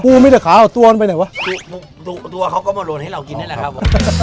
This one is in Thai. ไม่แต่ขาเอาตัวมันไปไหนวะตัวเขาก็มาโรนให้เรากินนี่แหละครับ